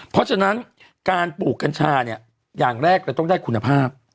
เพราะฉะนั้นการปลูกกัญชาเนี่ยอย่างแรกเลยต้องได้คุณภาพ